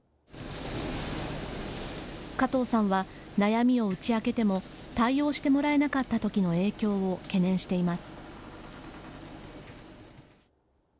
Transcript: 加藤さんは悩みを打ち明けても対応してもらえなかったときの影響を懸念しています。